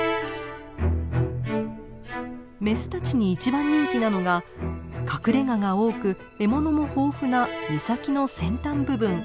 メスたちに一番人気なのが隠れがが多く獲物も豊富な岬の先端部分。